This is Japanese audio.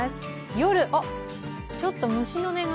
夜、あっ、ちょっと虫の音が。